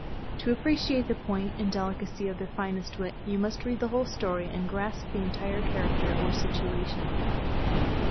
To appreciate the point and delicacy of their finest wit, you must read the whole story and grasp the entire character or situation.